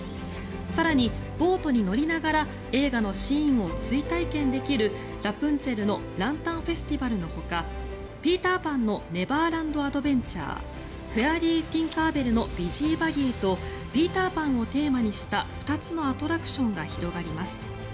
更に、ボートに乗りながら映画のシーンを追体験できるラプンツェルのランタンフェスティバルのほかピーターパンのネバーランドアドベンチャーフェアリー・ティンカーベルのビジーバギーと「ピーター・パン」をテーマにした２つのアトラクションが広がります。